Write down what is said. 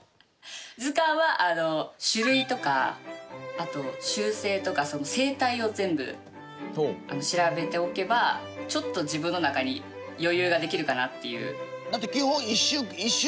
図鑑は種類とかあと習性とか生態を全部調べておけばちょっと自分の中に余裕ができるかなっていう。